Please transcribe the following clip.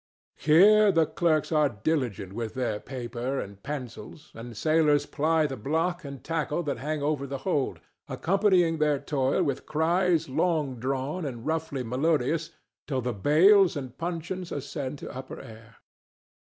Here the clerks are diligent with their paper and pencils and sailors ply the block and tackle that hang over the hold, accompanying their toil with cries long drawn and roughly melodious till the bales and puncheons ascend to upper air.